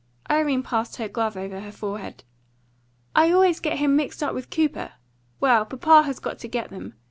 Irene passed her glove over her forehead. "I always get him mixed up with Cooper. Well, papa has got to get them.